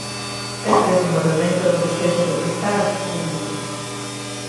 Este desenvolvemento é un reflexo do que está a suceder nas letras.